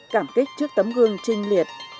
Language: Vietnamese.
cảm kích trước tấm gương trinh liệt